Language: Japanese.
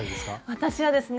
私はですね